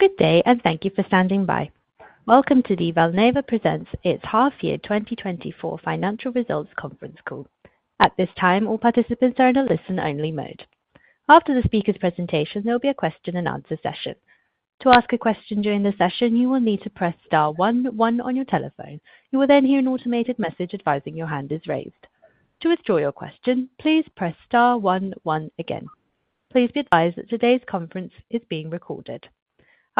Good day, and thank you for standing by. Welcome to the Valneva presents its Half Year 2024 Financial Results conference call. At this time, all participants are in a listen-only mode. After the speaker's presentation, there will be a question and answer session. To ask a question during the session, you will need to press star one one on your telephone. You will then hear an automated message advising your hand is raised. To withdraw your question, please press star one one again. Please be advised that today's conference is being recorded.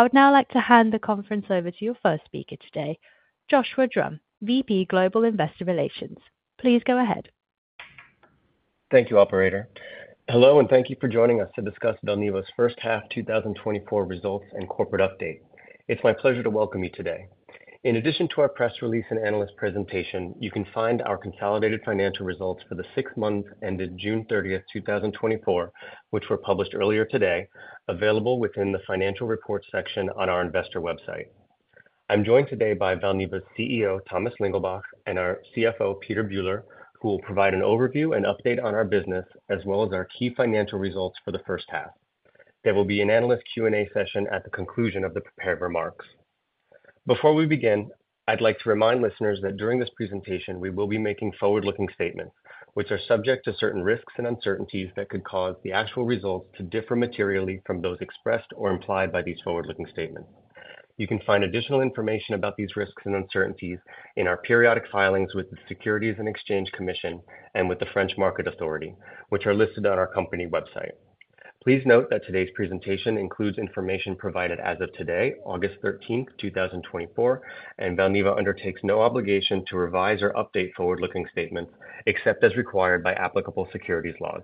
I would now like to hand the conference over to your first speaker today, Joshua Drumm, VP, Global Investor Relations. Please go ahead. Thank you, operator. Hello, and thank you for joining us to discuss Valneva's first half 2024 results and corporate update. It's my pleasure to welcome you today. In addition to our press release and analyst presentation, you can find our consolidated financial results for the six months ended June 30, 2024, which were published earlier today, available within the financial reports section on our investor website. I'm joined today by Valneva's CEO, Thomas Lingelbach, and our CFO, Peter Bühler, who will provide an overview and update on our business, as well as our key financial results for the first half. There will be an analyst Q&A session at the conclusion of the prepared remarks. Before we begin, I'd like to remind listeners that during this presentation, we will be making forward-looking statements, which are subject to certain risks and uncertainties that could cause the actual results to differ materially from those expressed or implied by these forward-looking statements. You can find additional information about these risks and uncertainties in our periodic filings with the Securities and Exchange Commission and with the French Market Authority, which are listed on our company website. Please note that today's presentation includes information provi ded as of today, August 13, 2024, and Valneva undertakes no obligation to revise or update forward-looking statements except as required by applicable securities laws.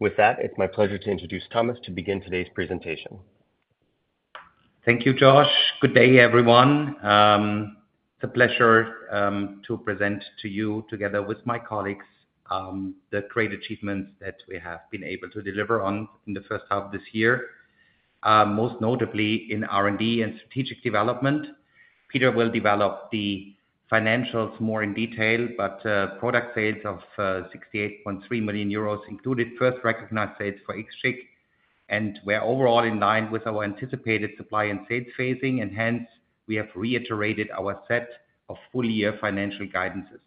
With that, it's my pleasure to introduce Thomas to begin today's presentation. Thank you, Josh. Good day, everyone. It's a pleasure to present to you together with my colleagues the great achievements that we have been able to deliver on in the first half of this year, most notably in R&D and strategic development. Peter will develop the financials more in detail, but product sales of 68.3 million euros included first recognized sales for IXCHIQ, and we're overall in line with our anticipated supply and sales phasing, and hence, we have reiterated our set of full-year financial guidances.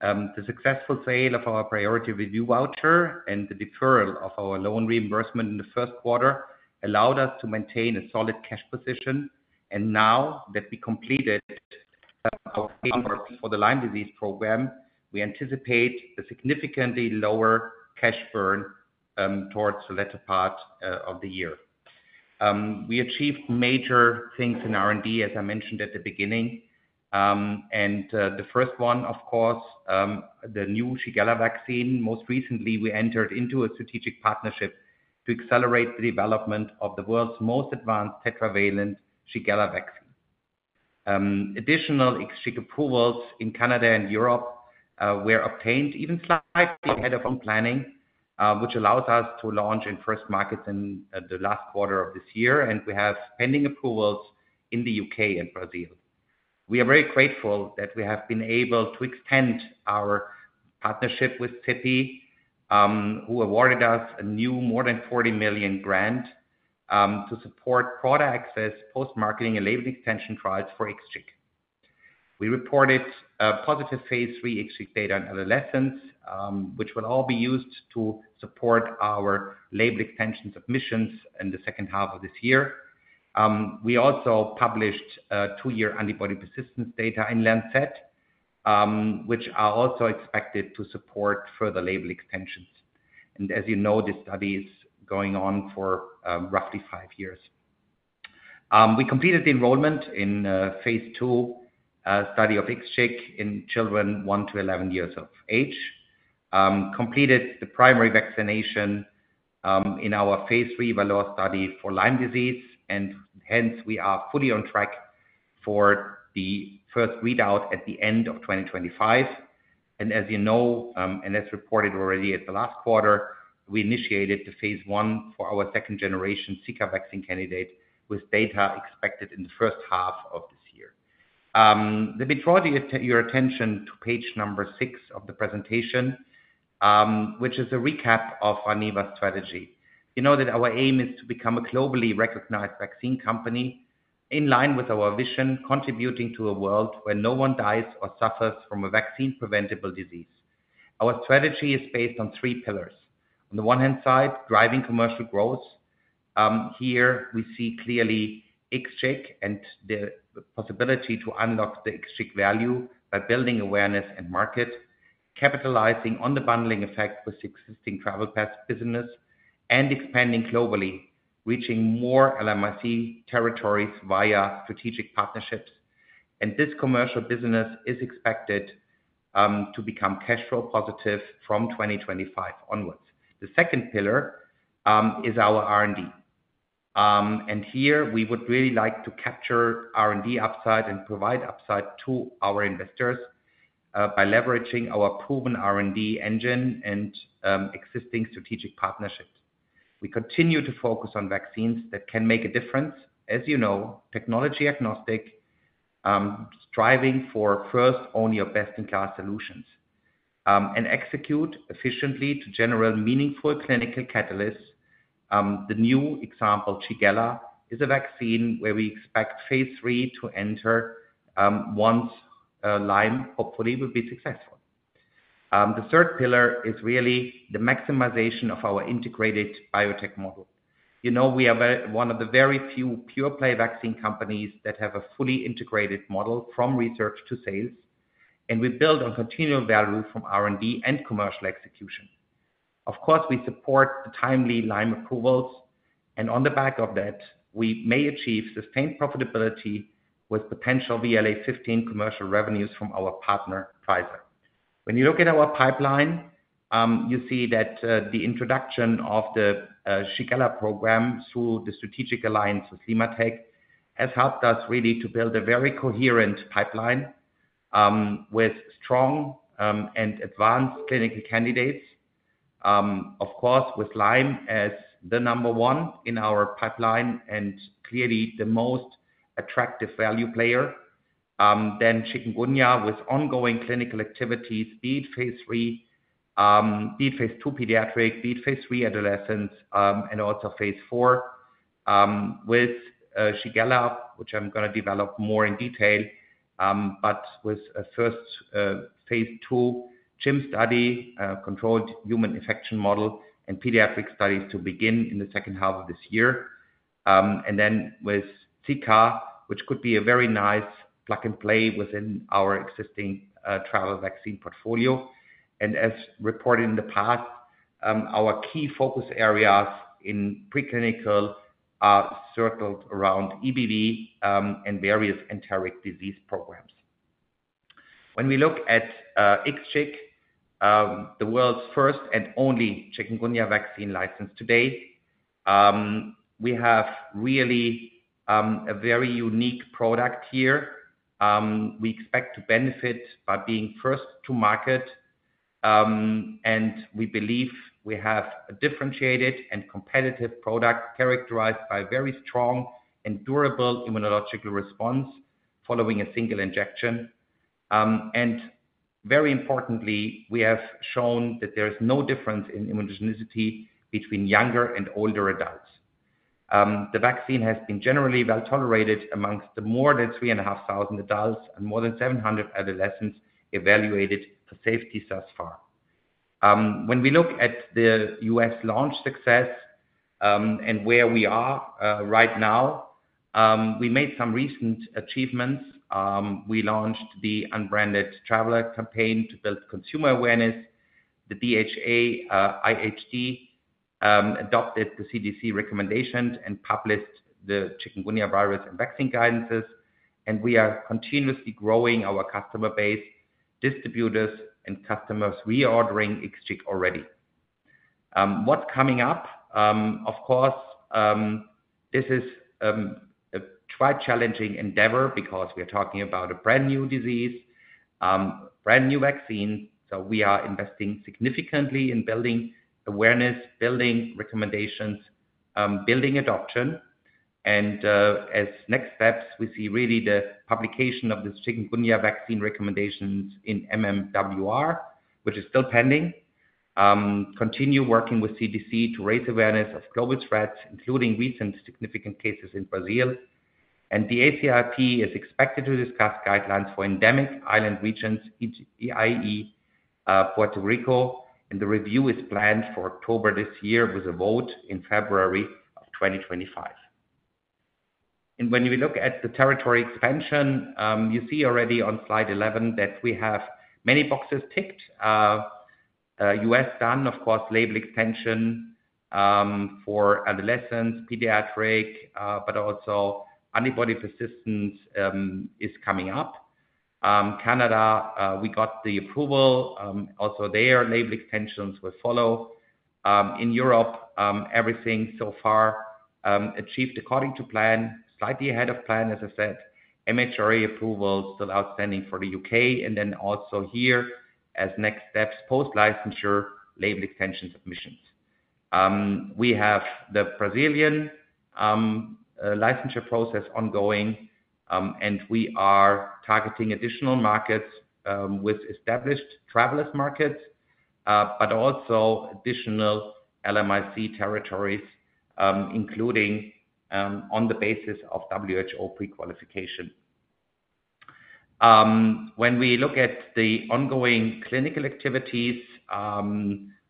The successful sale of our priority review voucher and the deferral of our loan reimbursement in the first quarter allowed us to maintain a solid cash position, and now that we completed our for the Lyme disease program, we anticipate a significantly lower cash burn towards the latter part of the year. We achieved major things in R&D, as I mentioned at the beginning, and the first one, of course, the new Shigella vaccine. Most recently, we entered into a strategic partnership to accelerate the development of the world's most advanced tetravalent Shigella vaccine. Additional IXCHIQ approvals in Canada and Europe were obtained even slightly ahead of on planning, which allows us to launch in first markets in the last quarter of this year, and we have pending approvals in the U.K. and Brazil. We are very grateful that we have been able to extend our partnership with CEPI, who awarded us a new more than 40 million grant to support product access, post-marketing, and label extension trials for IXCHIQ. We reported positive phase III IXCHIQ data in adolescents, which will all be used to support our label extension submissions in the second half of this year. We also published a two year antibody persistence data in Lancet, which are also expected to support further label extensions. And as you know, this study is going on for roughly five years. We completed the enrollment in phase II study of IXCHIQ in children 1 to 11 years of age, completed the primary vaccination in our phase III Valor study for Lyme disease, and hence we are fully on track for the first readout at the end of 2025. As you know, and as reported already at the last quarter, we initiated the phase I for our second generation Zika vaccine candidate, with data expected in the first half of this year. Let me draw your attention to page number six of the presentation, which is a recap of our Valneva strategy. You know that our aim is to become a globally recognized vaccine company in line with our vision, contributing to a world where no one dies or suffers from a vaccine-preventable disease. Our strategy is based on three pillars. On the one-hand side, driving commercial growth. Here we see clearly IXCHIQ and the possibility to unlock the IXCHIQ value by building awareness and market, capitalizing on the bundling effect with the existing travel path business and expanding globally, reaching more LMIC territories via strategic partnerships. And this commercial business is expected to become cash flow positive from 2025 onwards. The second pillar is our R&D. And here we would really like to capture R&D upside and provide upside to our investors by leveraging our proven R&D engine and existing strategic partnerships. We continue to focus on vaccines that can make a difference. As you know, technology agnostic, striving for first only of best-in-class solutions and execute efficiently to generate meaningful clinical catalysts. The new example, Shigella, is a vaccine where we expect phase III to enter once Lyme hopefully will be successful. The third pillar is really the maximization of our integrated biotech model. You know, we are very, one of the very few pure play vaccine companies that have a fully integrated model from research to sales, and we build on continual value from R&D and commercial execution. Of course, we support the timely Lyme approvals, and on the back of that, we may achieve sustained profitability with potential VLA15 commercial revenues from our partner, Pfizer. When you look at our pipeline, you see that, the introduction of the, Shigella program through the strategic alliance with LimmaTech, has helped us really to build a very coherent pipeline, with strong, and advanced clinical candidates. Of course, with Lyme as the number one in our pipeline and clearly the most attractive value player, then Chikungunya, with ongoing clinical activities, be it phase III, be it phase II pediatric, be it phase III adolescents, and also phase IIII, with Shigella, which I'm going to develop more in detail, but with a first phase II CHIM study, controlled human infection model and pediatric studies to begin in the second half of this year. And then with Zika, which could be a very nice plug and play within our existing travel vaccine portfolio. As reported in the past, our key focus areas in preclinical are circled around EBD and various enteric disease programs. When we look at IXCHIQ, the world's first and only chikungunya vaccine licensed to date, we have really a very unique product here. We expect to benefit by being first to market, and we believe we have a differentiated and competitive product characterized by very strong and durable immunological response, following a single injection. And very importantly, we have shown that there is no difference in immunogenicity between younger and older adults. The vaccine has been generally well tolerated among the more than 3,500 adults and more than 700 adolescents evaluated for safety thus far. When we look at the U.S. launch success, and where we are right now, we made some recent achievements. We launched the unbranded traveler campaign to build consumer awareness. The DHA, IHD adopted the CDC recommendations and published the chikungunya virus and vaccine guidances, and we are continuously growing our customer base, distributors and customers reordering IXCHIQ already. What's coming up? Of course, this is a quite challenging endeavor because we are talking about a brand new disease, brand new vaccine. So we are investing significantly in building awareness, building recommendations, building adoption. And, as next steps, we see really the publication of the chikungunya vaccine recommendations in MMWR, which is still pending. Continue working with CDC to raise awareness of global threats, including recent significant cases in Brazil. And the ACIP is expected to discuss guidelines for endemic island regions, i.e., Puerto Rico, and the review is planned for October this year, with a vote in February 2025. When we look at the territory expansion, you see already on slide 11 that we have many boxes ticked. U.S. done, of course, label extension for adolescents, pediatric, but also antibody persistence is coming up. Canada, we got the approval. Also, their label extensions will follow. In Europe, everything so far achieved according to plan, slightly ahead of plan, as I said, MHRA approval still outstanding for the U.K., and then also here as next steps, post-licensure label extension submissions. We have the Brazilian licensure process ongoing, and we are targeting additional markets with established travelers markets, but also additional LMIC territories, including on the basis of WHO prequalification. When we look at the ongoing clinical activities,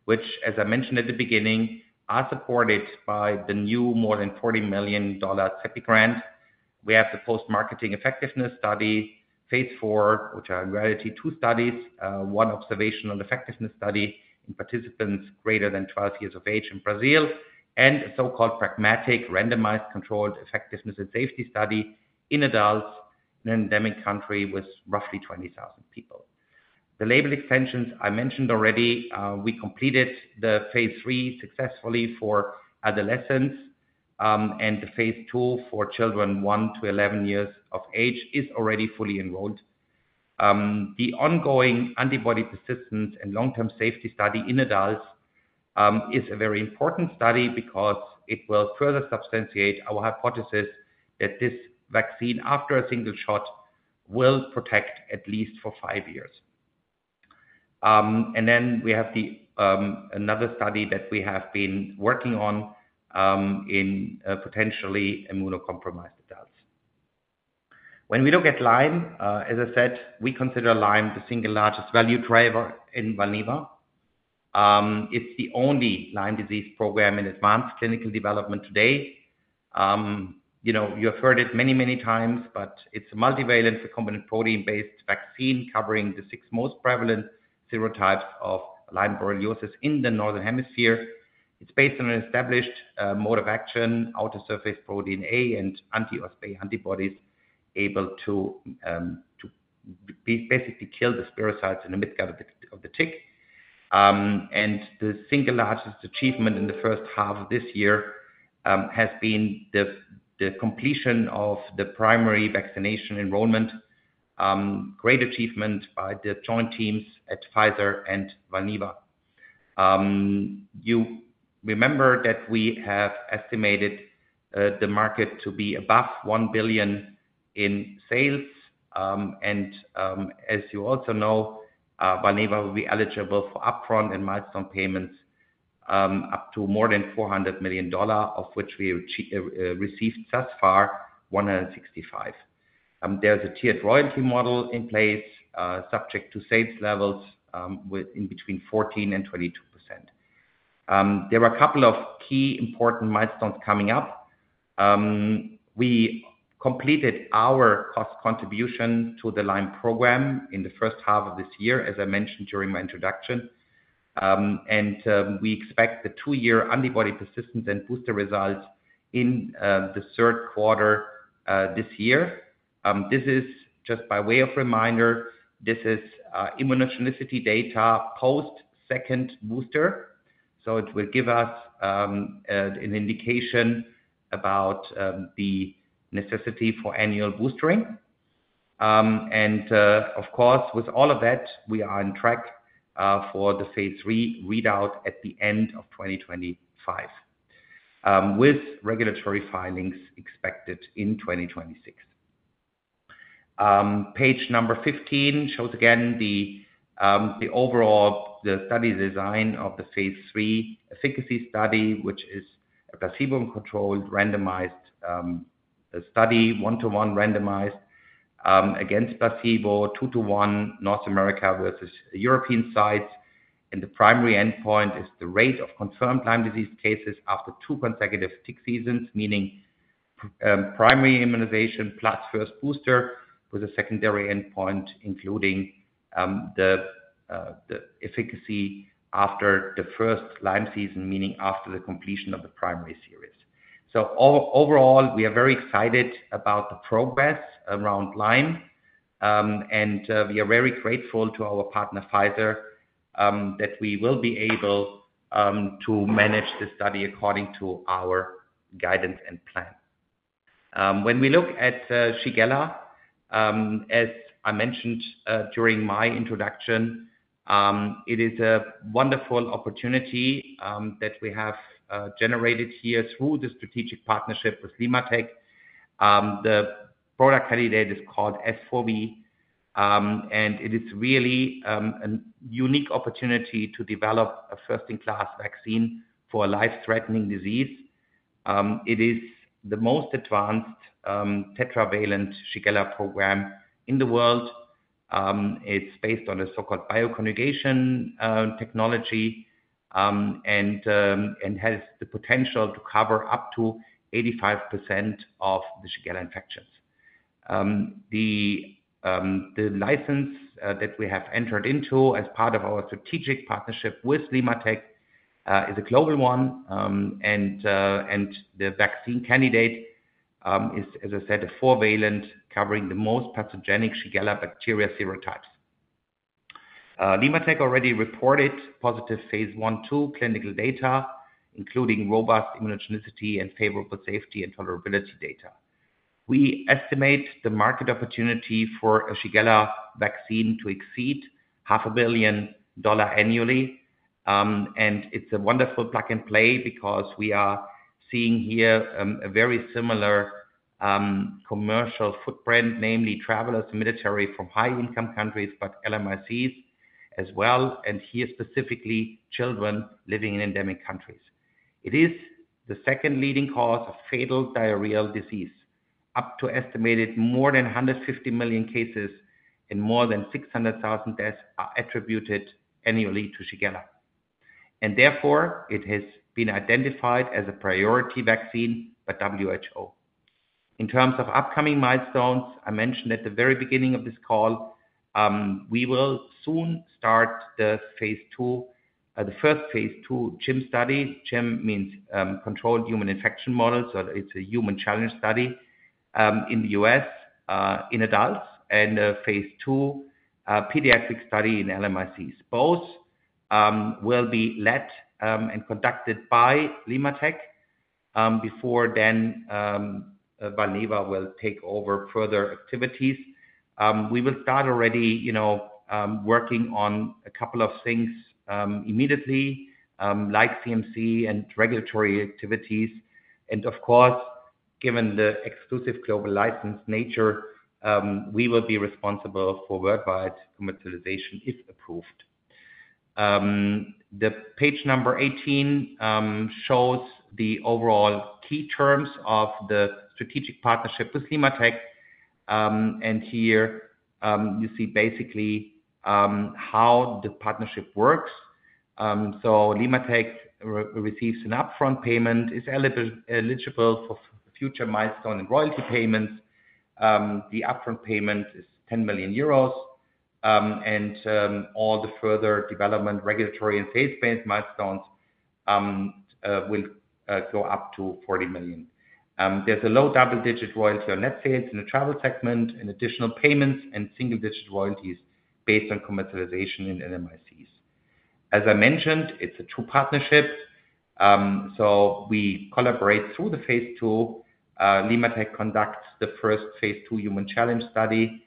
which as I mentioned at the beginning, are supported by the new more than $40 million CEPI grant. We have the post-marketing effectiveness study, phase IIII, which are in reality, two studies, one observational effectiveness study in participants greater than 12 years of age in Brazil, and a so-called pragmatic, randomized, controlled effectiveness and safety study in adults in an endemic country with roughly 20,000 people. The label extensions I mentioned already, we completed the phase III successfully for adolescents, and the phase II for children one to 11 years of age is already fully enrolled. The ongoing antibody persistence and long-term safety study in adults is a very important study because it will further substantiate our hypothesis that this vaccine, after a single shot, will protect at least for five years. And then we have another study that we have been working on in potentially immunocompromised adults. When we look at Lyme, as I said, we consider Lyme the single largest value driver in Valneva. It's the only Lyme disease program in advanced clinical development today. You know, you have heard it many, many times, but it's a multivalent recombinant protein-based vaccine covering the six most prevalent serotypes of Lyme borreliosis in the Northern Hemisphere. It's based on an established mode of action, outer surface protein A and anti-OspA antibodies, able to basically kill the spirochetes in the midgut of the tick. And the single largest achievement in the first half of this year has been the completion of the primary vaccination enrollment. Great achievement by the joint teams at Pfizer and Valneva. You remember that we have estimated the market to be above $1 billion in sales. And, as you also know, Valneva will be eligible for upfront and milestone payments, up to more than $400 million, of which we achieve, received thus far, $165 million. There's a tiered royalty model in place, subject to sales levels, with 14%-22%. There are a couple of key important milestones coming up. We completed our cost contribution to the Lyme program in the first half of this year, as I mentioned during my introduction. And, we expect the two-year antibody persistence and booster results in the third quarter this year. This is just by way of reminder, this is immunogenicity data post second booster, so it will give us an indication about the necessity for annual bolstering. Of course, with all of that, we are on track for the phase III readout at the end of 2025, with regulatory filings expected in 2026. Page 15 shows again the overall, the study design of the phase III efficacy study, which is a placebo-controlled, randomized, a study, one to one randomized against placebo, two to one North America versus European sites. The primary endpoint is the rate of confirmed Lyme disease cases after two consecutive tick seasons, meaning primary immunization plus first booster, with a secondary endpoint, including the efficacy after the first Lyme season, meaning after the completion of the primary series. So overall, we are very excited about the progress around Lyme, and we are very grateful to our partner, Pfizer, that we will be able to manage the study according to our guidance and plan. When we look at Shigella, as I mentioned during my introduction, it is a wonderful opportunity that we have generated here through the strategic partnership with LimmaTech. The product candidate is called S4V, and it is really a unique opportunity to develop a first-in-class vaccine for a life-threatening disease. It is the most advanced tetravalent Shigella program in the world. It's based on a so-called bioconjugation technology, and has the potential to cover up to 85% of the Shigella infections. The license that we have entered into as part of our strategic partnership with LimmaTech is a global one, and the vaccine candidate is, as I said, a four-valent, covering the most pathogenic Shigella bacteria serotypes. LimmaTech already reported positive phase I, two clinical data, including robust immunogenicity and favorable safety and tolerability data. We estimate the market opportunity for a Shigella vaccine to exceed $500 million annually. And it's a wonderful plug-and-play because we are seeing here a very similar commercial footprint, namely travelers and military from high-income countries, but LMICs as well, and here, specifically, children living in endemic countries. It is the second leading cause of fatal diarrheal disease, up to estimated more than 150 million cases and more than 600,000 deaths are attributed annually to Shigella. Therefore, it has been identified as a priority vaccine by WHO. In terms of upcoming milestones, I mentioned at the very beginning of this call, we will soon start the phase II, the first phase II CHIM study. CHIM means, Controlled Human Infection Model, so it's a human challenge study, in the US, in adults, and, phase II, pediatric study in LMICs. Both, will be led, and conducted by LimmaTech. Before then, Valneva will take over further activities. We will start already, you know, working on a couple of things, immediately, like CMC and regulatory activities. And of course, given the exclusive global license nature, we will be responsible for worldwide commercialization if approved. The page number 18, shows the overall key terms of the strategic partnership with LimmaTech. Here, you see basically how the partnership works. LimmaTech receives an upfront payment, is eligible for future milestone and royalty payments. The upfront payment is 10 million euros. All the further development, regulatory and sales-based milestones will go up to 40 million. There's a low double-digit royalty on net sales in the travel segment, and additional payments and single-digit royalties based on commercialization in LMICs. As I mentioned, it's a true partnership, so we collaborate through the phase II. LimmaTech conducts the first phase II human challenge study,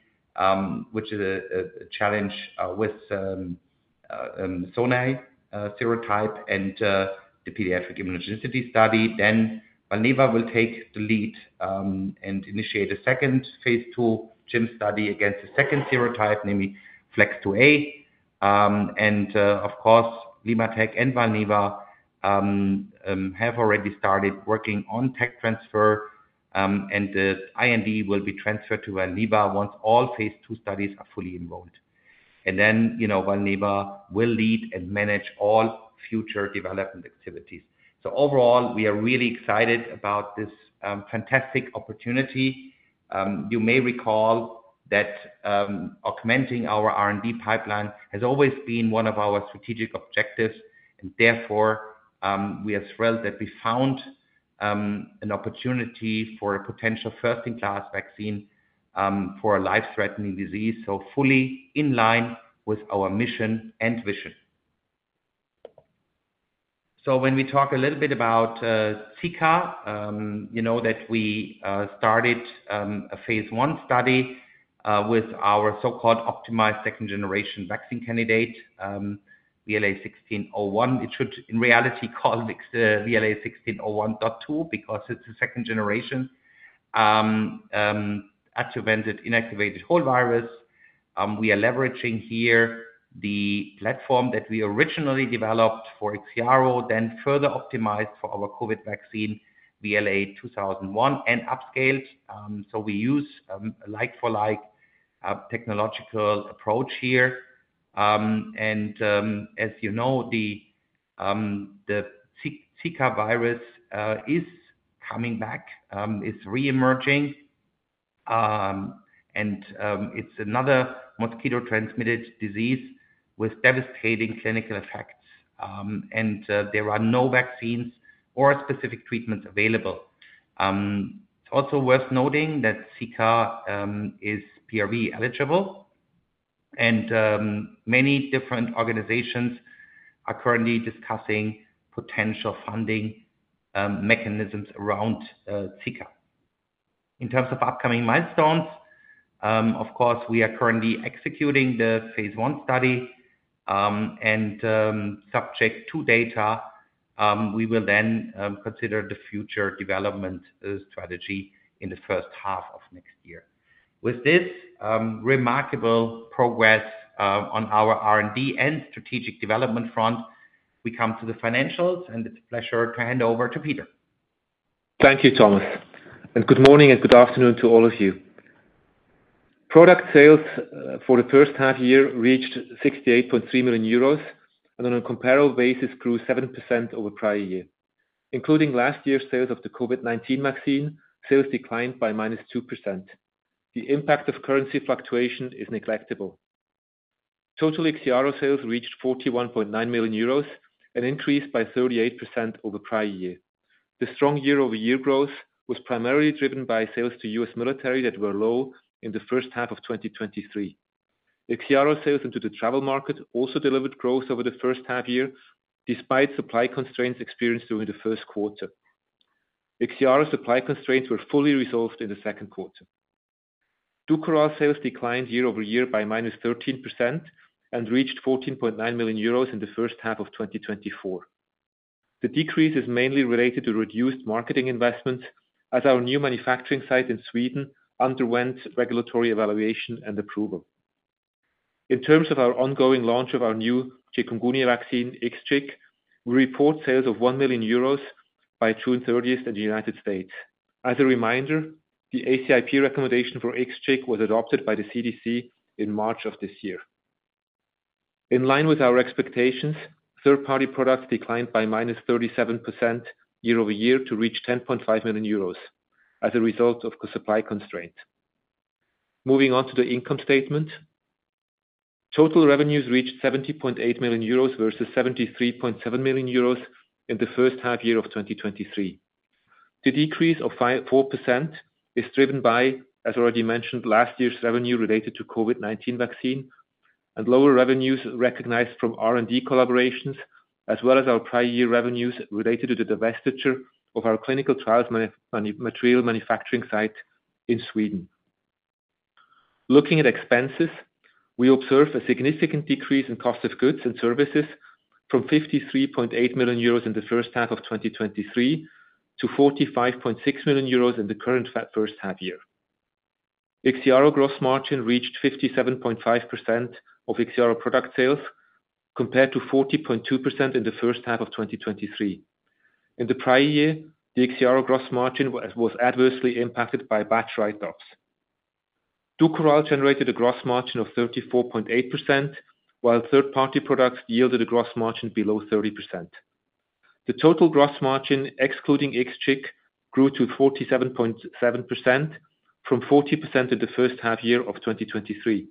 which is a challenge with sonnei serotype, and the pediatric immunogenicity study. Then Valneva will take the lead, and initiate a second phase II challenge study against the second serotype, namely flexneri 2a. Of course, LimmaTech and Valneva have already started working on tech transfer, and the IND will be transferred to Valneva once all phase II studies are fully enrolled. Then, you know, Valneva will lead and manage all future development activities. So overall, we are really excited about this fantastic opportunity. You may recall that augmenting our R&D pipeline has always been one of our strategic objectives, and therefore, we are thrilled that we found an opportunity for a potential first-in-class vaccine for a life-threatening disease, so fully in line with our mission and vision. So when we talk a little bit about Zika, you know, that we started a phase I study with our so-called optimized second generation vaccine candidate, VLA1601. It should, in reality, be called VLA1601, because it's a second generation adjuvanted, inactivated whole virus. We are leveraging here the platform that we originally developed for IXIARO, then further optimized for our COVID vaccine, VLA2001, and upscaled. So we use like for like technological approach here. And as you know, the Zika virus is coming back, is reemerging. And it's another mosquito-transmitted disease with devastating clinical effects, and there are no vaccines or specific treatments available. Also worth noting that Zika is PRV eligible, and many different organizations are currently discussing potential funding mechanisms around Zika. In terms of upcoming milestones, of course, we are currently executing the phase I study, and subject to data, we will then consider the future development strategy in the first half of next year. With this remarkable progress on our R&D and strategic development front, we come to the financials, and it's a pleasure to hand over to Peter. Thank you, Thomas, and good morning and good afternoon to all of you. Product sales for the first half year reached 68.3 million euros, and on a comparable basis, grew 7% over prior year. Including last year's sales of the COVID-19 vaccine, sales declined by -2%. The impact of currency fluctuation is negligible. Total IXIARO sales reached 41.9 million euros, an increase by 38% over prior year. The strong year-over-year growth was primarily driven by sales to U.S. military that were low in the first half of 2023. IXIARO sales into the travel market also delivered growth over the first half year, despite supply constraints experienced during the first quarter. IXIARO supply constraints were fully resolved in the second quarter. DUKORAL sales declined year-over-year by -13% and reached 14.9 million euros in the first half of 2024. The decrease is mainly related to reduced marketing investments, as our new manufacturing site in Sweden underwent regulatory evaluation and approval. In terms of our ongoing launch of our new chikungunya vaccine, IXCHIQ, we report sales of 1 million euros by June 30th in the United States. As a reminder, the ACIP recommendation for IXCHIQ was adopted by the CDC in March of this year. In line with our expectations, third-party products declined by -37% year-over-year to reach 10.5 million euros as a result of the supply constraint. Moving on to the income statement. Total revenues reached 70.8 million euros, versus 73.7 million euros in the first half year of 2023. The decrease of 4% is driven by, as already mentioned, last year's revenue related to COVID-19 vaccine and lower revenues recognized from R&D collaborations, as well as our prior year revenues related to the divestiture of our clinical trials material manufacturing site in Sweden. Looking at expenses, we observe a significant decrease in cost of goods and services from 53.8 million euros in the first half of 2023, to 45.6 million euros in the current first half year. IXIARO gross margin reached 57.5% of IXIARO product sales, compared to 40.2% in the first half of 2023. In the prior year, the IXIARO gross margin was adversely impacted by batch write-offs. Dukoral generated a gross margin of 34.8%, while third-party products yielded a gross margin below 30%. The total gross margin, excluding IXCHIQ, grew to 47.7% from 40% in the first half of 2023.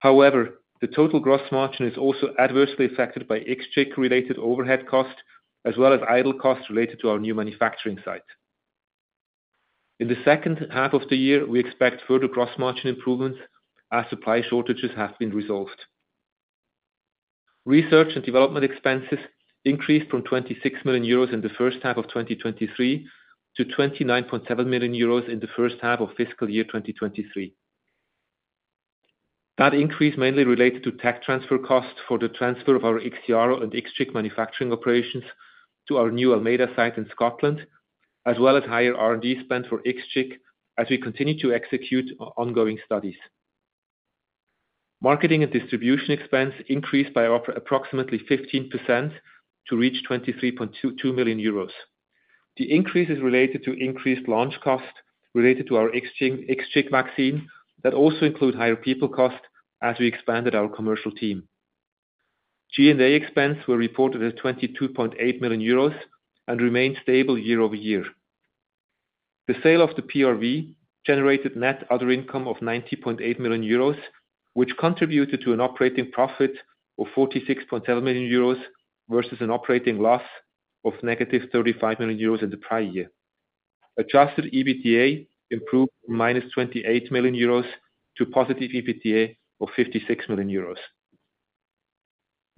However, the total gross margin is also adversely affected by IXCHIQ related overhead costs, as well as idle costs related to our new manufacturing site. In the second half of the year, we expect further gross margin improvements as supply shortages have been resolved. Research and development expenses increased from 26 million euros in the first half of 2023, to 29.7 million euros in the first half of fiscal year 2023. That increase mainly related to tech transfer costs for the transfer of our IXIARO and IXCHIQ manufacturing operations to our new Almeida site in Scotland, as well as higher R&D spend for IXCHIQ as we continue to execute our ongoing studies. Marketing and distribution expense increased by approximately 15% to reach 23.22 million euros. The increase is related to increased launch costs related to our IXCHIQ, IXCHIQ vaccine, that also include higher people costs as we expanded our commercial team. G&A expense were reported as 22.8 million euros and remained stable year-over-year. The sale of the PRV generated net other income of 90.8 million euros, which contributed to an operating profit of 46.7 million euros versus an operating loss of -35 million euros in the prior year. Adjusted EBITDA improved -28 million euros to positive EBITDA of 56 million euros.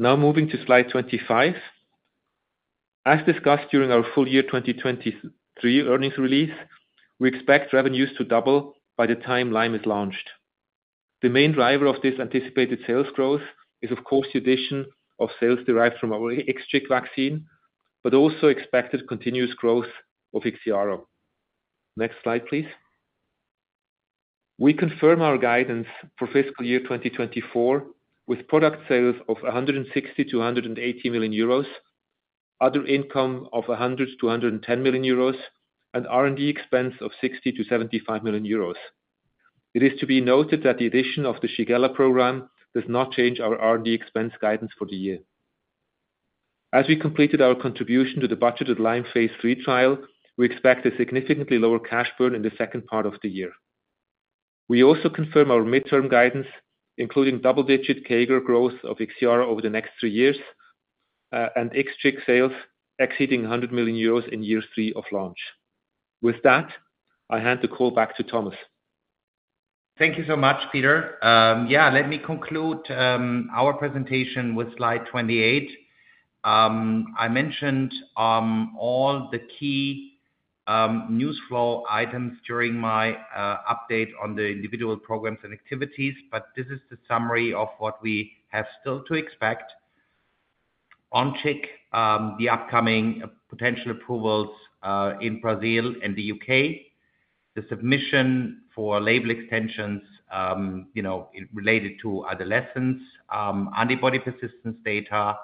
Now moving to slide 25. As discussed during our full year 2023 earnings release, we expect revenues to double by the time Lyme is launched. The main driver of this anticipated sales growth is, of course, the addition of sales derived from our IXCHIQ vaccine, but also expected continuous growth of IXIARO. Next slide, please. We confirm our guidance for fiscal year 2024, with product sales of 160 million-180 million euros, other income of 100 million-110 million euros, and R&D expense of 60 million-75 million euros. It is to be noted that the addition of the Shigella program does not change our R&D expense guidance for the year. As we completed our contribution to the budgeted Lyme phase III trial, we expect a significantly lower cash burn in the second part of the year. We also confirm our midterm guidance, including double-digit CAGR growth of IXIARO over the next three years, and IXCHIQ sales exceeding 100 million euros in year three of launch. With that, I hand the call back to Thomas. Thank you so much, Peter. Yeah, let me conclude our presentation with slide 28. I mentioned all the key news flow items during my update on the individual programs and activities, but this is the summary of what we have still to expect. On tick, the upcoming potential approvals in Brazil and the U.K., the submission for label extensions, you know, related to adolescents, antibody persistence data,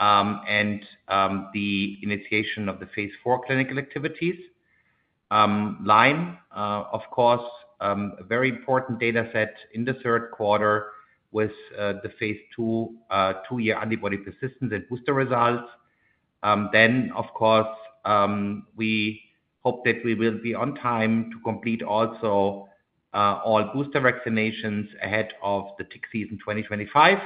and the initiation of the phase IIII clinical activities. Lyme, of course, a very important data set in the third quarter with the phase II two-year antibody persistence and booster results. Then, of course, we hope that we will be on time to complete also all booster vaccinations ahead of the tick season, 2025.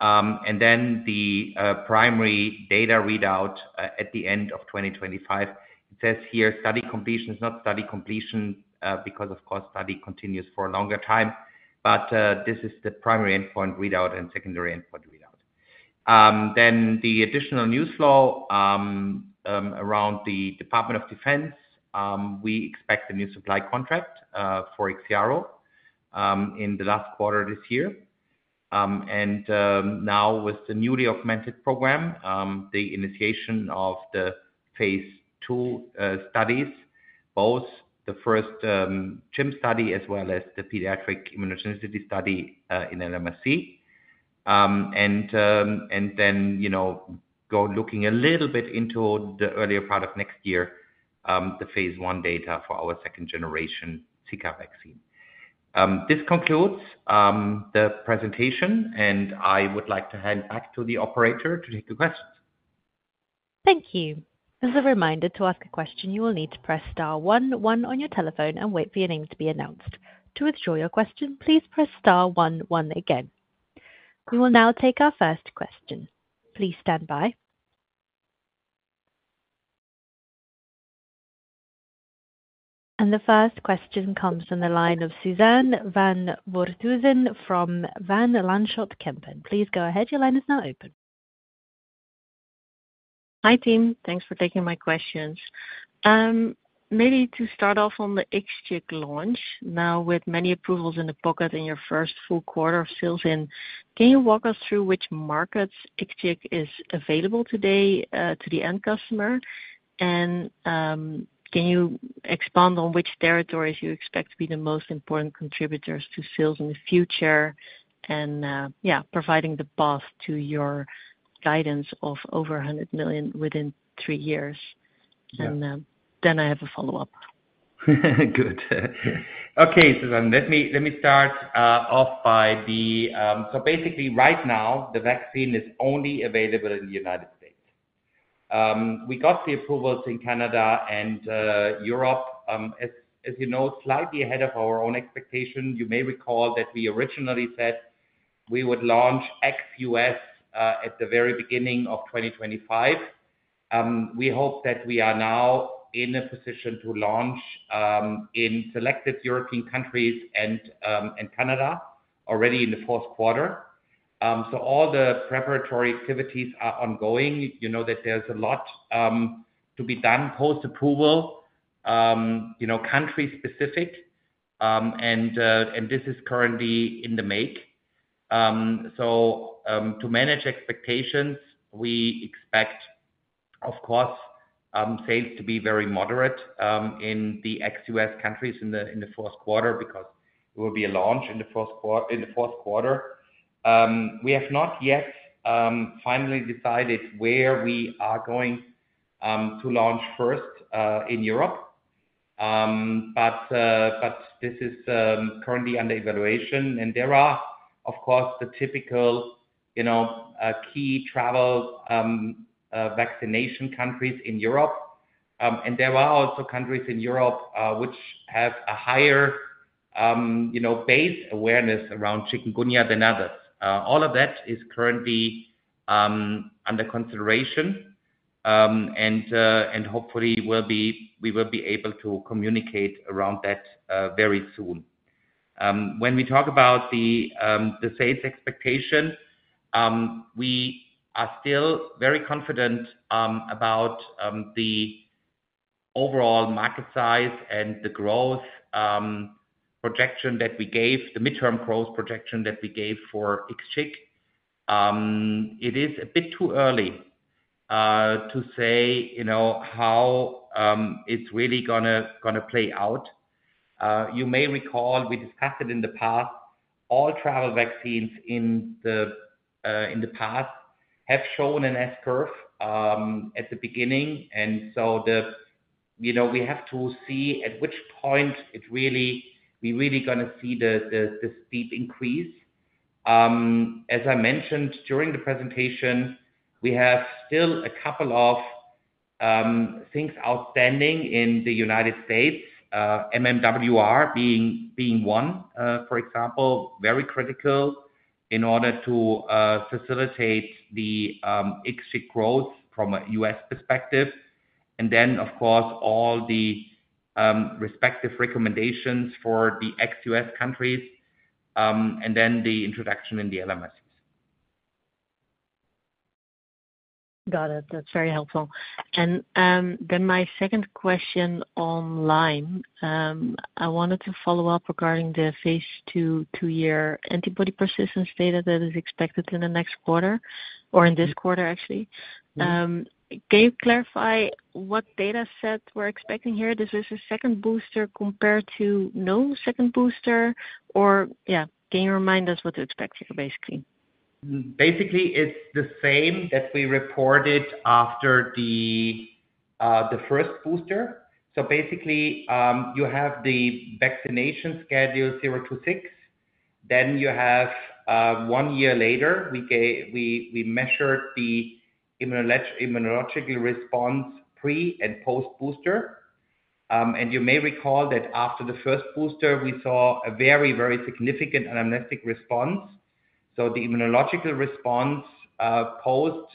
And then the primary data readout at the end of 2025. It says here, study completion, it's not study completion, because of course, study continues for a longer time, but this, this is the primary endpoint readout and secondary endpoint readout. Then the additional news flow around the Department of Defense, we expect a new supply contract for IXIARO in the last quarter this year. And now with the newly augmented program, the initiation of the phase II studies, both the first CHIM study as well as the pediatric immunogenicity study in LMC. And then, you know, go looking a little bit into the earlier part of next year, the phase I data for our second generation Zika vaccine. This concludes the presentation, and I would like to hand back to the operator to take the questions. Thank you. As a reminder, to ask a question, you will need to press star one one on your telephone and wait for your name to be announced. To withdraw your question, please press star one one again. We will now take our first question. Please stand by. The first question comes from the line of Suzanne van Voorthuizen from Van Lanschot Kempen. Please go ahead. Your line is now open. Hi, team. Thanks for taking my questions. Maybe to start off on the IXCHIQ launch. Now, with many approvals in the pocket in your first full quarter of sales in, can you walk us through which markets IXCHIQ is available today, to the end customer? And, can you expand on which territories you expect to be the most important contributors to sales in the future, and, yeah, providing the path to your guidance of over 100 million within three years? Yeah. Then I have a follow-up. Good. Okay, Suzanne, let me start off—so basically, right now, the vaccine is only available in the United States. We got the approvals in Canada and Europe, as you know, slightly ahead of our own expectation. You may recall that we originally said we would launch ex-U.S. at the very beginning of 2025. We hope that we are now in a position to launch in selected European countries and Canada already in the fourth quarter. So all the preparatory activities are ongoing. You know that there's a lot to be done post-approval, you know, country-specific, and this is currently in the make. So, to manage expectations, we expect, of course, sales to be very moderate in the ex-US countries in the fourth quarter, because it will be a launch in the fourth quarter. We have not yet finally decided where we are going to launch first in Europe. But this is currently under evaluation, and there are, of course, the typical, you know, key travel vaccination countries in Europe. And there are also countries in Europe which have a higher, you know, base awareness around Chikungunya than others. All of that is currently under consideration, and hopefully, we will be able to communicate around that very soon. When we talk about the sales expectation, we are still very confident about the overall market size and the growth projection that we gave, the midterm growth projection that we gave for IXCHIQ. It is a bit too early to say, you know, how it's really gonna play out. You may recall, we discussed it in the past, all travel vaccines in the past have shown an S curve at the beginning, and so, you know, we have to see at which point it really, we really gonna see the steep increase. As I mentioned during the presentation, we have still a couple of things outstanding in the United States, MMWR being one, for example, very critical in order to facilitate the IXCHIQ growth from a U.S. perspective, and then, of course, all the respective recommendations for the ex-U.S. countries, and then the introduction in the LMC. Got it. That's very helpful. And then my second question on Lyme. I wanted to follow up regarding the phase II, two year antibody persistence data that is expected in the next quarter or in this quarter, actually. Mm-hmm. Can you clarify what data set we're expecting here? This is a second booster compared to no second booster, or, yeah, can you remind us what to expect here, basically? Basically, it's the same that we reported after the first booster. So basically, you have the vaccination schedule, zero to six. Then you have one year later, we measured the immunological response, pre and post-booster. And you may recall that after the first booster, we saw a very, very significant anamnestic response. So the immunological response post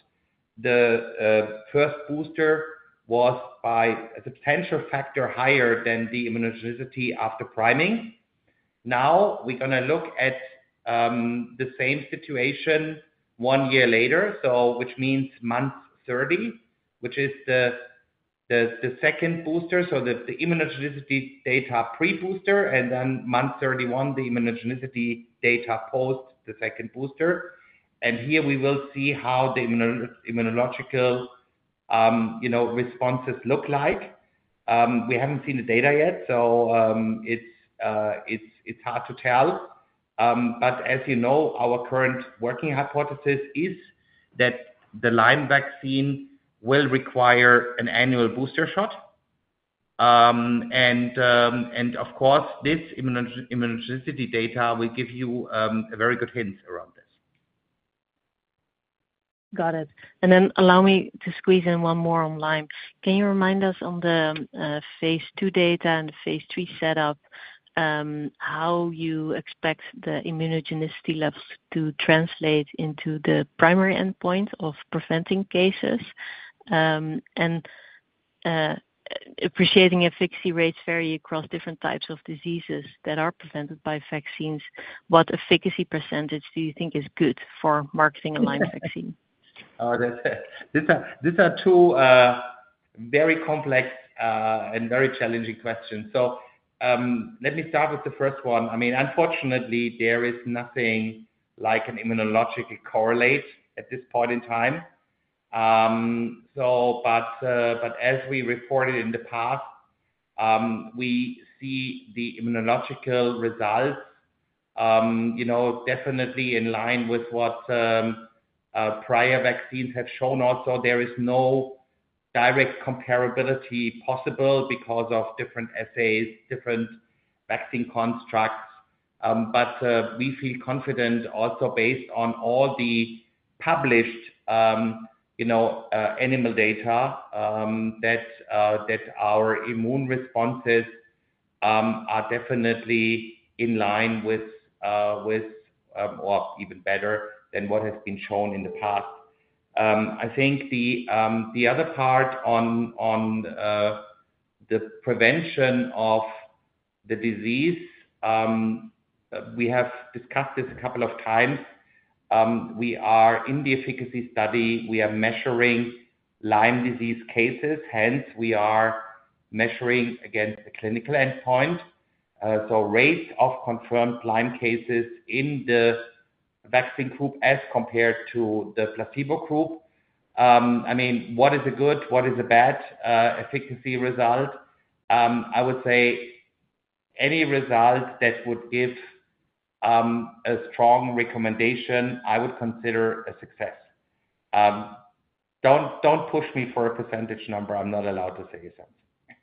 the first booster was by a potential factor higher than the immunogenicity after priming. Now, we're gonna look at the same situation one year later, so which means month 30, which is the second booster, so the immunogenicity data pre-booster, and then month 31, the immunogenicity data post the second booster. And here we will see how the immunological, you know, responses look like. We haven't seen the data yet, so it's hard to tell. But as you know, our current working hypothesis is that the Lyme vaccine will require an annual booster shot. And of course, this immunogenicity data will give you a very good hint around this. Got it. And then allow me to squeeze in one more on Lyme. Can you remind us on the phase II data and the phase III setup? How you expect the immunogenicity labs to translate into the primary endpoint of preventing cases, and appreciating efficacy rates vary across different types of diseases that are presented by vaccines. What efficacy percentage do you think is good for marketing a Lyme vaccine? Oh, that's—these are two very complex and very challenging questions. So, let me start with the first one. I mean, unfortunately, there is nothing like an immunological correlate at this point in time. But as we reported in the past, we see the immunological results, you know, definitely in line with what prior vaccines have shown also. There is no direct comparability possible because of different assays, different vaccine constructs. But we feel confident also based on all the published, you know, animal data, that our immune responses are definitely in line with, with or even better than what has been shown in the past. I think the other part on the prevention of the disease, we have discussed this a couple of times. We are in the efficacy study, we are measuring Lyme disease cases, hence, we are measuring against a clinical endpoint, so rates of confirmed Lyme cases in the vaccine group as compared to the placebo group. I mean, what is a good, what is a bad, efficacy result? I would say any result that would give a strong recommendation, I would consider a success. Don't, don't push me for a percentage number. I'm not allowed to say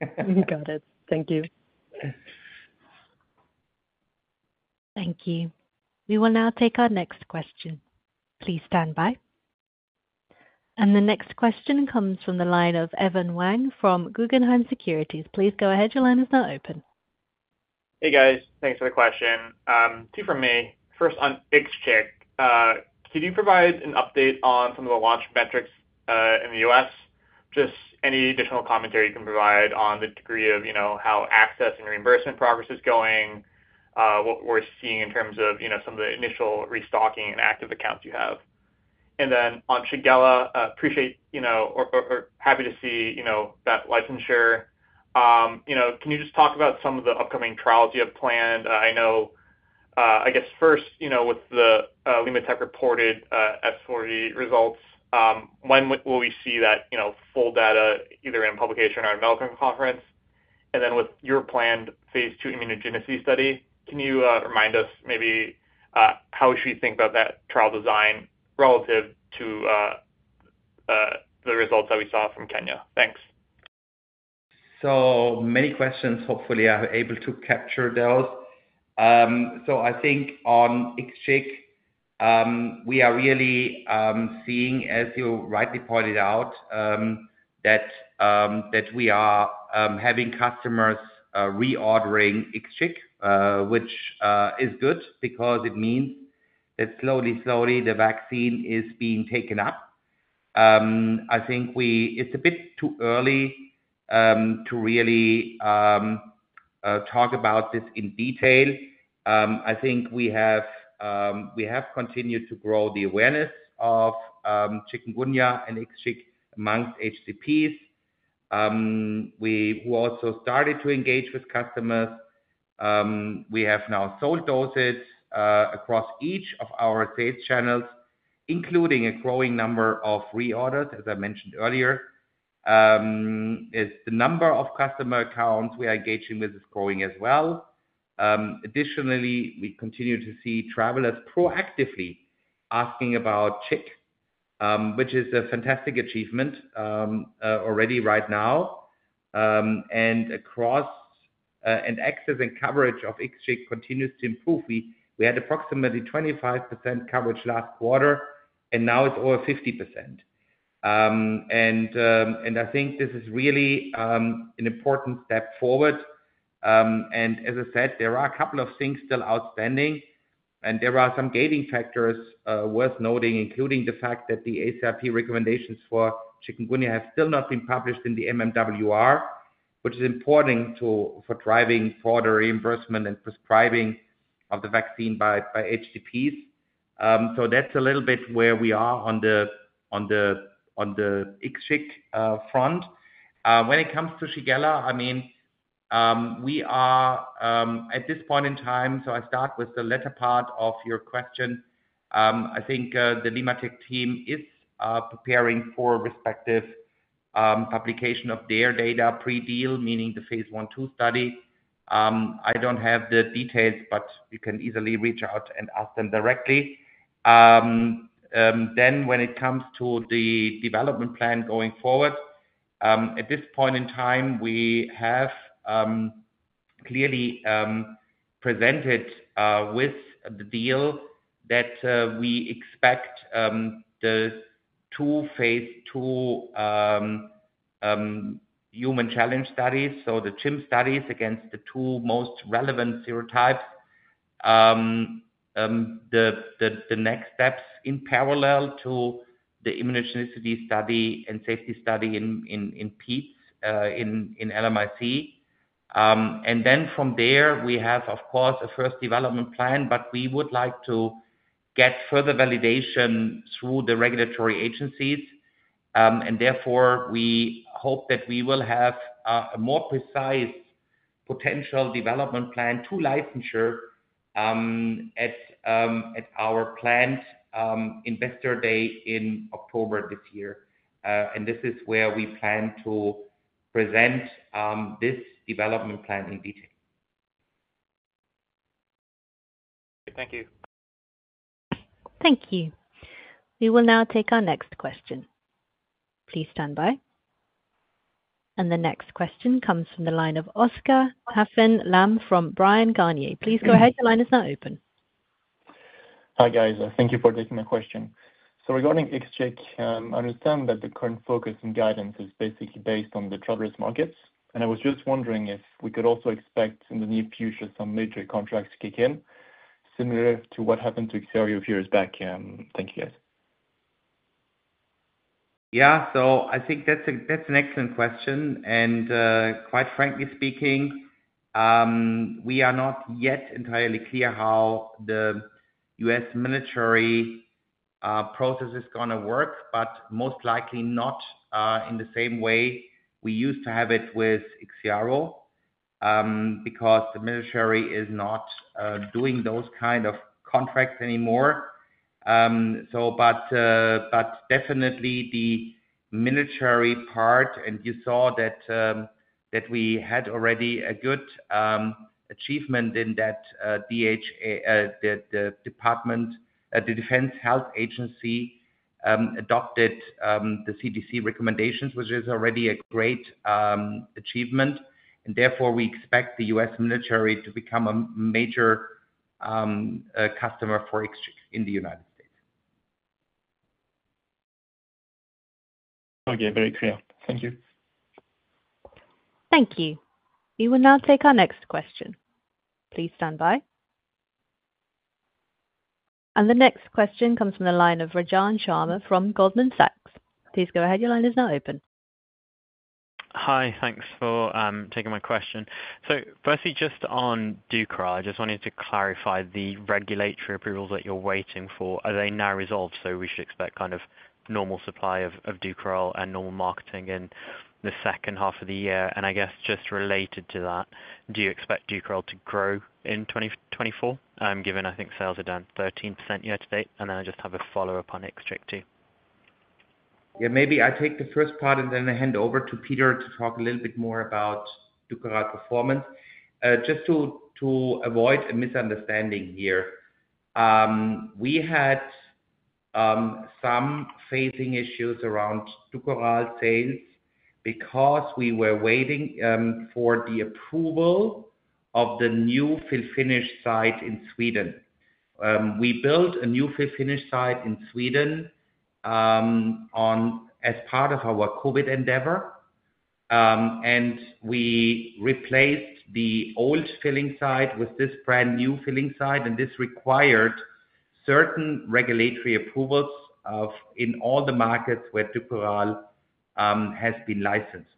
something. Got it. Thank you. Thank you. We will now take our next question. Please stand by. The next question comes from the line of Evan Wang from Guggenheim Securities. Please go ahead. Your line is now open. Hey, guys. Thanks for the question. Two from me. First, on IXCHIQ. Could you provide an update on some of the launch metrics in the U.S.? Just any additional commentary you can provide on the degree of, you know, how access and reimbursement progress is going, what we're seeing in terms of, you know, some of the initial restocking and active accounts you have. And then on Shigella, appreciate, you know, or happy to see, you know, that licensure. You know, can you just talk about some of the upcoming trials you have planned? I know, I guess first, you know, with the LimmaTech reported S4V results, when will we see that, you know, full data, either in publication or a medical conference? With your planned phase II immunogenicity study, can you remind us maybe the results that we saw from Kenya? Thanks. So many questions. Hopefully, I'm able to capture those. So I think on IXCHIQ, we are really seeing, as you rightly pointed out, that that we are having customers reordering IXCHIQ, which is good because it means that slowly, slowly, the vaccine is being taken up. I think it's a bit too early to really talk about this in detail. I think we have continued to grow the awareness of Chikungunya and IXCHIQ among HCPs. We also started to engage with customers. We have now sold doses across each of our sales channels, including a growing number of reorders, as I mentioned earlier. The number of customer accounts we are engaging with is growing as well. Additionally, we continue to see travelers proactively asking about Chik, which is a fantastic achievement, already right now. And across access and coverage of IXCHIQ continues to improve. We had approximately 25% coverage last quarter, and now it's over 50%. And I think this is really an important step forward. And as I said, there are a couple of things still outstanding, and there are some gating factors worth noting, including the fact that the ACIP recommendations for chikungunya have still not been published in the MMWR, which is important for driving further reimbursement and prescribing of the vaccine by HCPs. So that's a little bit where we are on the IXCHIQ front. When it comes to Shigella, I mean, we are at this point in time, so I'll start with the latter part of your question. I think the LimmaTech team is preparing for respective publication of their data pre-deal, meaning the phase I,II study. I don't have the details, but you can easily reach out and ask them directly. Then when it comes to the development plan going forward, at this point in time, we have clearly presented with the deal that we expect the two phase II human challenge studies, so the CHIM studies against the two most relevant serotypes. The next steps in parallel to the immunogenicity study and safety study in people in LMIC. And then from there, we have, of course, a first development plan, but we would like to get further validation through the regulatory agencies. And therefore, we hope that we will have a more precise potential development plan to licensure, at our planned investor day in October this year. And this is where we plan to present this development plan in detail. Thank you. Thank you. We will now take our next question. Please stand by. The next question comes from the line of Oscar Halphen from Bryan Garnier. Please go ahead. Your line is now open. Hi, guys. Thank you for taking my question. So regarding IXCHIQ, I understand that the current focus and guidance is basically based on the travelers markets, and I was just wondering if we could also expect in the near future, some major contracts to kick in, similar to what happened to IXIARO few years back. Thank you, guys. Yeah. So I think that's an excellent question, and, quite frankly speaking, we are not yet entirely clear how the U.S. military process is gonna work, but most likely not in the same way we used to have it with IXIARO, because the military is not doing those kind of contracts anymore. But definitely the military part, and you saw that we had already a good achievement in that, DHA, the Defense Health Agency, adopted the CDC recommendations, which is already a great achievement, and therefore, we expect the U.S. military to become a major customer for IXCHIQ in the United States. Okay. Very clear. Thank you. Thank you. We will now take our next question. Please stand by. The next question comes from the line of Rajan Sharma from Goldman Sachs. Please go ahead. Your line is now open. Hi. Thanks for taking my question. So firstly, just on DUKORAL, I just wanted to clarify the regulatory approvals that you're waiting for, are they now resolved? So we should expect kind of normal supply of DUKORAL and normal marketing in the second half of the year. And I guess just related to that, do you expect DUKORAL to grow in 2024, given I think sales are down 13% year to date, and then I just have a follow-up on IXCHIQ, too. Yeah, maybe I take the first part and then I hand over to Peter to talk a little bit more about DUKORAL performance. Just to avoid a misunderstanding here, we had some phasing issues around DUKORAL sales, because we were waiting for the approval of the new fill finish site in Sweden. We built a new fill finish site in Sweden, as part of our COVID endeavor, and we replaced the old filling site with this brand new filling site, and this required certain regulatory approvals in all the markets where DUKORAL has been licensed.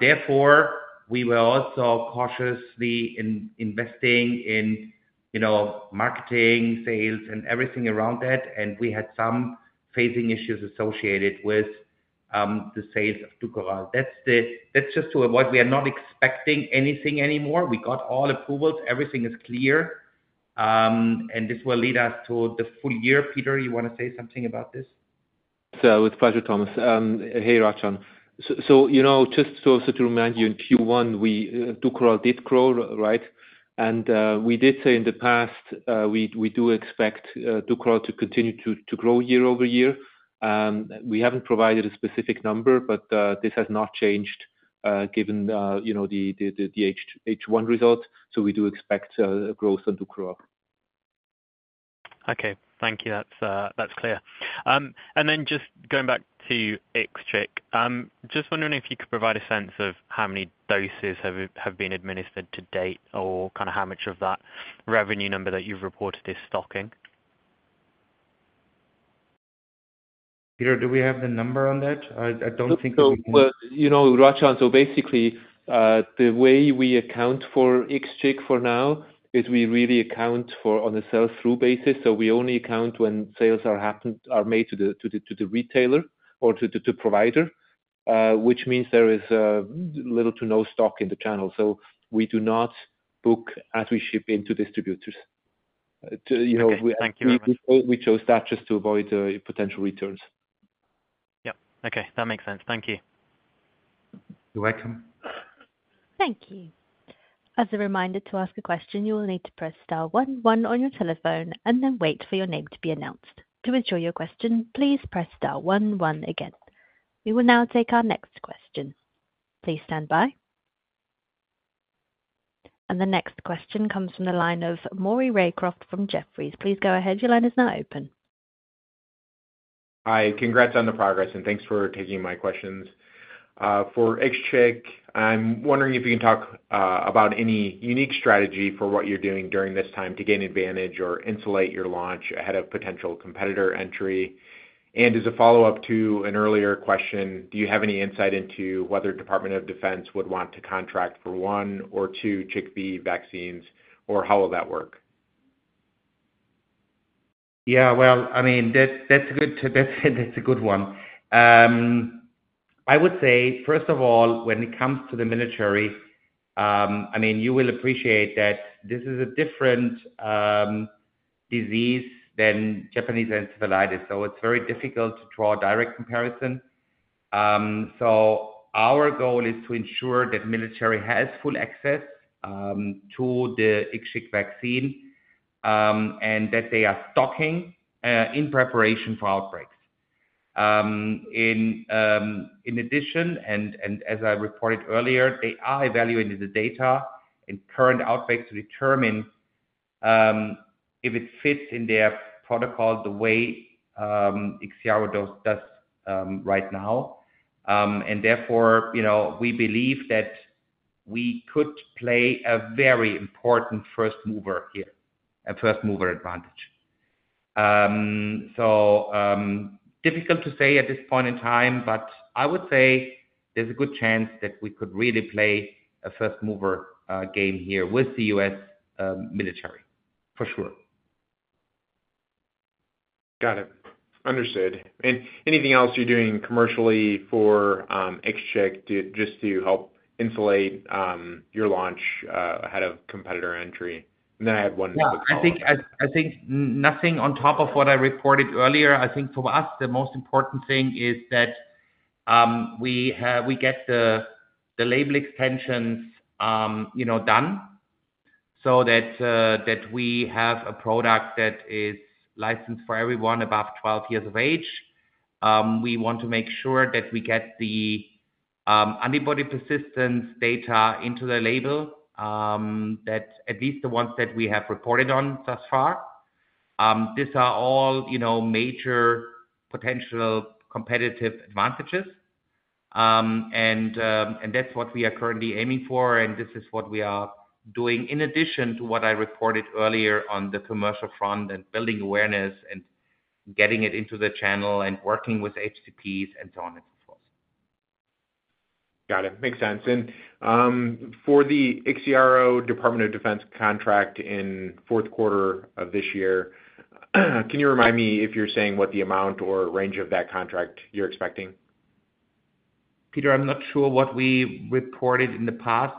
Therefore, we were also cautiously in investing in, you know, marketing, sales, and everything around that, and we had some phasing issues associated with the sales of DUKORAL. That's the-- That's just to avoid. We are not expecting anything anymore. We got all approvals, everything is clear, and this will lead us to the full year. Peter, you want to say something about this? So it's a pleasure, Thomas. Hey, Rajan. So, you know, just to remind you, in Q1, we, DUKORAL did grow, right? And we did say in the past, we do expect DUKORAL to continue to grow year-over-year. We haven't provided a specific number, but this has not changed, given, you know, the H1 results. So we do expect growth on DUKORAL. Okay. Thank you. That's clear. And then just going back to IXCHIQ, just wondering if you could provide a sense of how many doses have been administered to date, or kind of how much of that revenue number that you've reported is stocking? Peter, do we have the number on that? I don't think that we can- You know, Rajan, so basically, the way we account for IXCHIQ for now is we really account for on a sell-through basis. So we only account when sales are happened, are made to the retailer or to the provider, which means there is little to no stock in the channel, so we do not book as we ship into distributors. To, you know- Okay, thank you very much. We chose that just to avoid potential returns. Yep. Okay, that makes sense. Thank you. You're welcome. Thank you. As a reminder, to ask a question, you will need to press star one one on your telephone and then wait for your name to be announced. To ensure your question, please press star one one again. We will now take our next question. Please stand by. The next question comes from the line of Maury Raycroft from Jefferies. Please go ahead. Your line is now open. Hi. Congrats on the progress, and thanks for taking my questions. For IXCHIQ, I'm wondering if you can talk about any unique strategy for what you're doing during this time to gain advantage or insulate your launch ahead of potential competitor entry. And as a follow-up to an earlier question, do you have any insight into whether Department of Defense would want to contract for one or two CHIKV vaccines, or how will that work? Yeah, well, I mean, that, that's a good, that's, that's a good one. I would say, first of all, when it comes to the military, I mean, you will appreciate that this is a different disease than Japanese encephalitis, so it's very difficult to draw a direct comparison. So our goal is to ensure that military has full access to the IXCHIQ vaccine, and that they are stocking in preparation for outbreaks. In addition, and as I reported earlier, they are evaluating the data and current outbreaks to determine if it fits in their protocol the way IXIARO dose does right now. And therefore, you know, we believe that we could play a very important first mover here, a first mover advantage. So, difficult to say at this point in time, but I would say there's a good chance that we could really play a first mover game here with the U.S. military, for sure. Got it. Understood. And anything else you're doing commercially for IXCHIQ, just to help insulate your launch ahead of competitor entry? And then I have one quick follow-up. Yeah, I think nothing on top of what I reported earlier. I think for us, the most important thing is that we get the label extensions, you know, done, so that that we have a product that is licensed for everyone above 12 years of age. We want to make sure that we get the antibody persistence data into the label that at least the ones that we have reported on thus far. These are all, you know, major potential competitive advantages. And that's what we are currently aiming for, and this is what we are doing in addition to what I reported earlier on the commercial front and building awareness and getting it into the channel and working with HCPs and so on and so forth. Got it. Makes sense. And, for the IXIARO Department of Defense contract in fourth quarter of this year, can you remind me if you're saying what the amount or range of that contract you're expecting? Peter, I'm not sure what we reported in the past.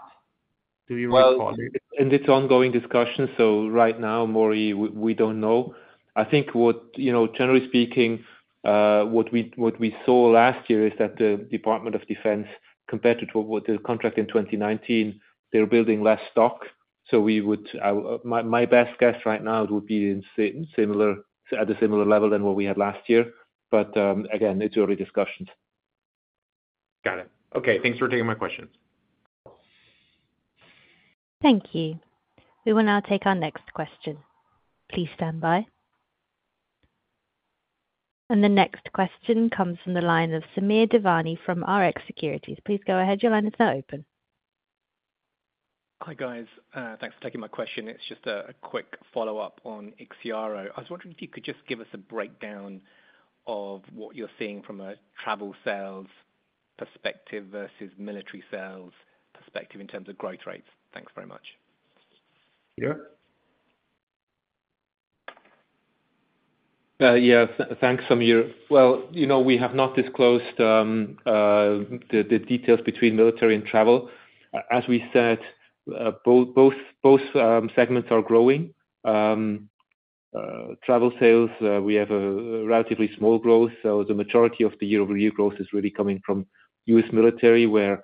Do you recall? Well, and it's ongoing discussions, so right now, Maury, we, we don't know. I think what, you know, generally speaking, what we, what we saw last year is that the Department of Defense, compared to what the contract in 2019, they're building less stock. So we would, my, my best guess right now it would be in similar, at a similar level than what we had last year. But, again, it's early discussions. Got it. Okay, thanks for taking my questions. Thank you. We will now take our next question. Please stand by. The next question comes from the line of Samir Devani from Rx Securities. Please go ahead. Your line is now open. Hi, guys. Thanks for taking my question. It's just a quick follow-up on IXIARO. I was wondering if you could just give us a breakdown of what you're seeing from a travel sales perspective versus military sales perspective in terms of growth rates. Thanks very much. Yeah? Yeah. Thanks, Samir. Well, you know, we have not disclosed the details between military and travel. As we said, both segments are growing. Travel sales, we have a relatively small growth, so the majority of the year-over-year growth is really coming from U.S. military, where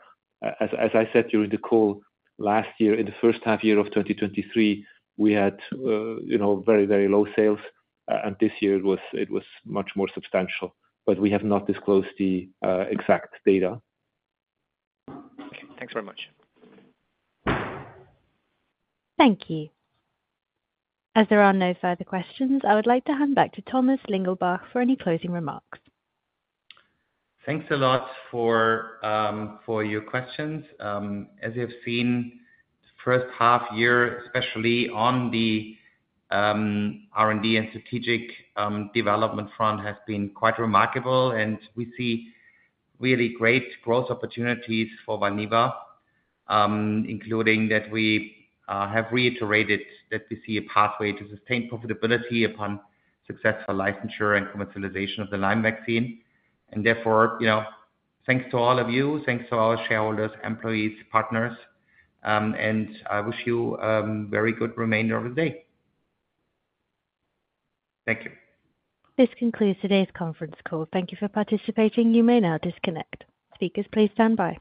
as I said during the call last year, in the first half year of 2023, we had, you know, very, very low sales. And this year it was much more substantial, but we have not disclosed the exact data. Thanks very much. Thank you. As there are no further questions, I would like to hand back to Thomas Lingelbach for any closing remarks. Thanks a lot for your questions. As you have seen, the first half year, especially on the R&D and strategic development front, has been quite remarkable, and we see really great growth opportunities for Valneva, including that we have reiterated that we see a pathway to sustain profitability upon successful licensure and commercialization of the Lyme vaccine. And therefore, you know, thanks to all of you, thanks to our shareholders, employees, partners, and I wish you a very good remainder of the day. Thank you. This concludes today's conference call. Thank you for participating. You may now disconnect. Speakers, please stand by.